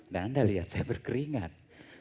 dan anda lihat saya berkeringat